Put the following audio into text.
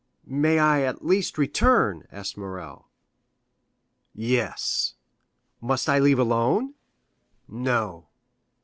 "May I, at least, return?" asked Morrel. "Yes." "Must I leave alone?" "No."